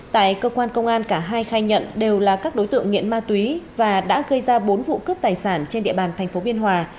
tại cơ quan công an cả hai khai nhận đều là các đối tượng nghiện ma túy và đã gây ra bốn vụ cướp tài sản trên địa bàn thành phố biên hòa